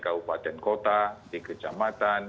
kabupaten kota di kecamatan